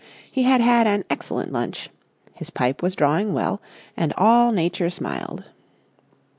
He had had an excellent lunch; his pipe was drawing well, and all Nature smiled.